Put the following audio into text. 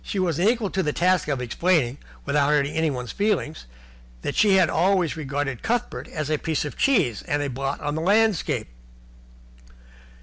She was unequal to the task of explaining, without hurting anyone's feelings, that she had always regarded Cuthbert as a piece of cheese and a blot on the landscape.